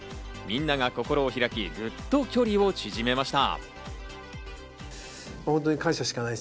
皆が心を開き、ぐっと距離を縮めました。